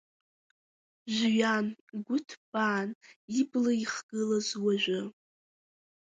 Жәҩан гәы-ҭбаан ибла ихгылаз уажәы.